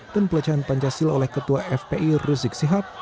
dan pelecehan pancasila oleh ketua fpi rizik syihab